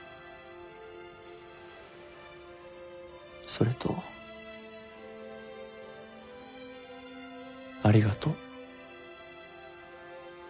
それとありがとう。